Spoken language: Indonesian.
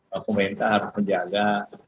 pemerintah harus menjaga